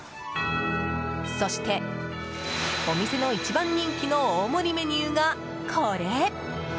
そして、お店の一番人気の大盛りメニューがこれ。